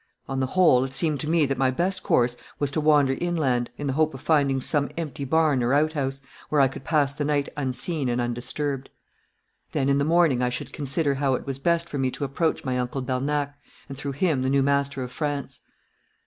On the whole, it seemed to me that my best course was to wander inland, in the hope of finding some empty barn or out house, where I could pass the night unseen and undisturbed. Then in the morning I should consider how it was best for me to approach my uncle Bernac, and through him the new master of France.